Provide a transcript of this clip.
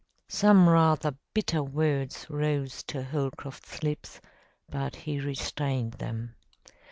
Some rather bitter words rose to Holcroft's lips, but he restrained them.